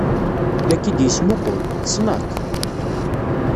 La k-id-yettmuqqul. Tessned-t?